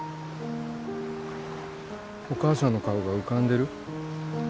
お母さんの顔が浮かんでる？